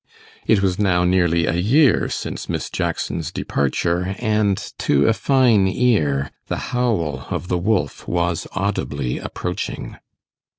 It was now nearly a year since Miss Jackson's departure, and, to a fine ear, the howl of the wolf was audibly approaching.